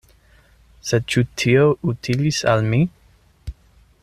Sed ĉu tio utilis al mi?